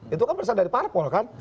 itu kan pesan dari parpol kan